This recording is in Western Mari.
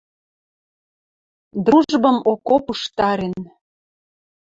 Дружбым окоп уштарен.